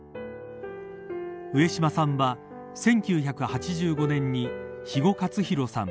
上島さんは１９８５年に肥後克広さん